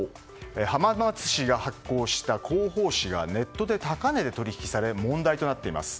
浜松市が発行した広報誌がネットで高値で取引され問題となっています。